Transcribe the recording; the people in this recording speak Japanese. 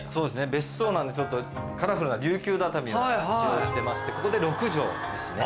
別荘なんでちょっとカラフルな琉球畳を使用してましてここで６帖ですね。